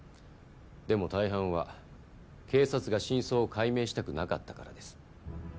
でも大半は警察が真相を解明したくなかったからです。